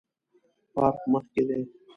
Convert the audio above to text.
پارک مخ کې دی